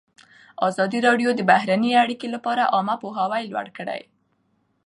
ازادي راډیو د بهرنۍ اړیکې لپاره عامه پوهاوي لوړ کړی.